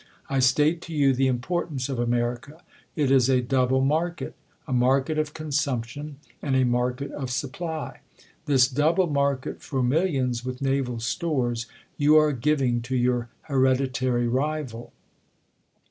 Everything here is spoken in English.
1 state to you the importance of America ; it is a double market^ a market of consumption, and a market of supply. 1 his double market for millions with naval stores, you arc giving to your hereditary rival.